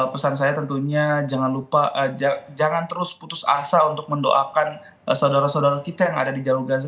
pesan saya tentunya jangan lupa jangan terus putus asa untuk mendoakan saudara saudara kita yang ada di jalur gaza